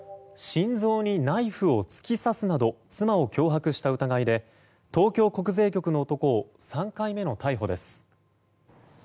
心臓にナイフを突き刺すなど妻を脅迫した疑いで東京国税局の男を３回目の逮捕です。